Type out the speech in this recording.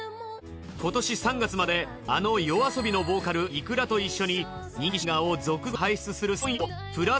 今年３月まであのＹＯＡＳＯＢＩのボーカルｉｋｕｒａと一緒に人気シンガーを続々輩出するセッション